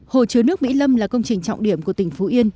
hồ chứa nước mỹ lâm là công trình trọng điểm của tỉnh phú yên